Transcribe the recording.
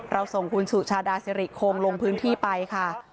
ส่งคุณสุชาดาสิริคงลงพื้นที่ไปค่ะ